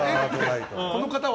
この方は？